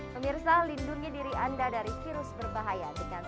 pemirsa lindungi diri anda dari virus berbahaya